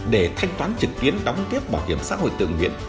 để thanh toán trực tuyến đóng tiếp bảo hiểm xã hội tự nguyện